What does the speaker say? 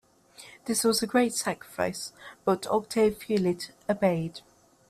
This was a great sacrifice, but Octave Feuillet obeyed.